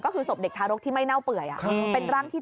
ก็คือศพเด็กทารกที่ไม่เน่าเปื่อยเป็นร่างที่๗